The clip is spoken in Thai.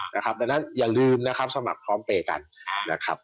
ดังนั้นอย่าลืมนะครับสมัครพร้อมเปย์กันนะครับ